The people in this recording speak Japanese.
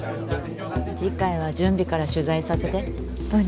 次回は準備から取材させて。